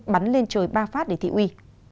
bắn lên trời ba phát để thị uy